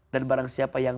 dan barang siapa yang